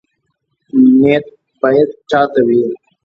نیت باید چا ته وي؟